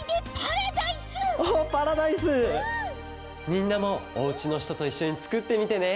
みんなもおうちのひとといっしょにつくってみてね！